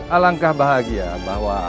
alangkah bahagia bahwa